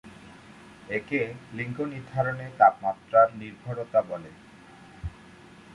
একে লিঙ্গ নির্ধারণে তাপমাত্রার-নির্ভরতা বলে।